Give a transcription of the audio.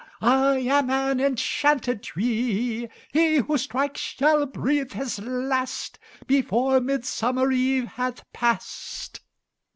I am an enchanted tree. He who strikes shall breathe his last, Before Midsummer Eve hath passed."